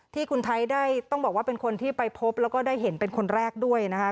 ที่คุณไทยได้ต้องบอกว่าเป็นคนที่ไปพบแล้วก็ได้เห็นเป็นคนแรกด้วยนะคะ